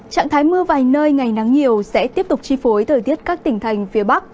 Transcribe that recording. trạng thái mưa vài nơi ngày nắng nhiều sẽ tiếp tục chi phối thời tiết các tỉnh thành phía bắc